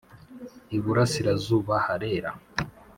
Iburasirazuba harera.